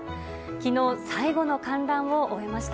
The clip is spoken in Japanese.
きのう、最後の観覧を終えました。